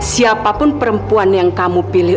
siapapun perempuan yang kamu pilih